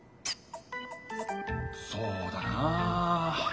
そうだな。